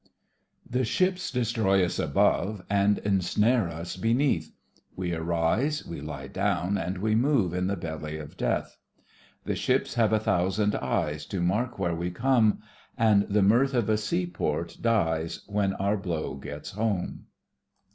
The ships destroy us above And ensnare us beneath. We arise, we lie down, and we move In the belly of Death. The ships have a thousand eyes To mark where we come .. And the mirth of a seaport dies When our blow gets home.